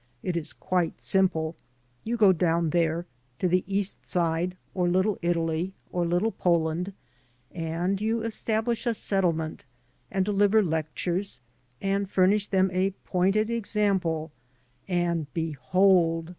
It is quite simple. You go down there, to the East Side, or Little Italy, or Little Poland, and you establish a settlement and deliver lectures and furnish them a pointed example, and behold!